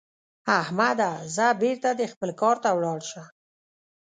احمده؛ ځه بېرته دې خپل کار ته ولاړ شه.